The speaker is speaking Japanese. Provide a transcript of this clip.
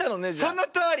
そのとおり。